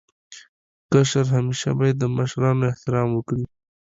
کشر همېشه باید د مشرانو احترام وکړي.